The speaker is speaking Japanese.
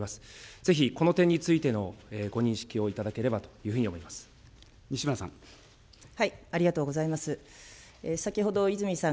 ぜひ、この点についてのご認識をいただければというふうに思いま西村さん。